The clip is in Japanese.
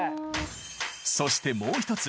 そしてもう１つ。